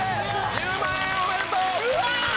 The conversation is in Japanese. １０万円おめでとう！